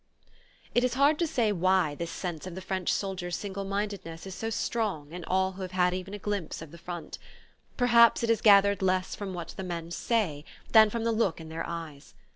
It is hard to say why this sense of the French soldier's single mindedness is so strong in all who have had even a glimpse of the front; perhaps it is gathered less from what the men say than from the look in their eyes.